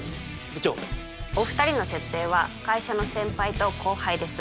部長お二人の設定は会社の先輩と後輩です